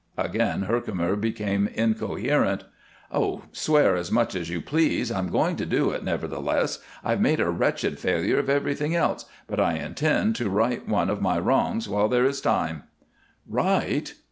Again Herkimer became incoherent. "Oh, swear as much as you please, I'm going to do it, nevertheless. I've made a wretched failure of everything else, but I intend to right one of my wrongs while there is time." "Right!